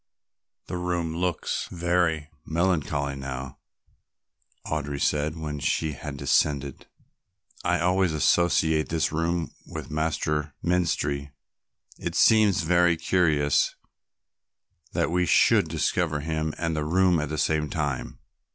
"The room looks very melancholy now," Audry said when they had descended. "I always associate this room with Master Menstrie. It seems very curious that we should discover him and the room at the same time."